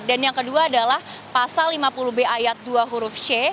dan yang kedua adalah pasal lima puluh b ayat dua huruf c